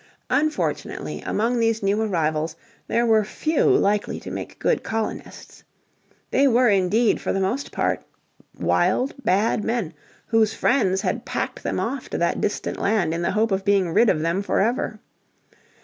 Unfortunately among these new arrivals there were few likely to make good colonists. They were indeed for the most part wild, bad men whose friends had packed them off to that distant land in the hope of being rid of them forever.